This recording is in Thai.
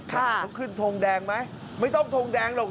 เขาขึ้นทงแดงไหมไม่ต้องทงแดงหรอก